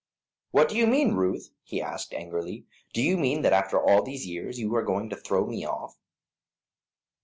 "What do you mean, Ruth?" he asked, angrily. "Do you mean that after all these years you are going to throw me off?"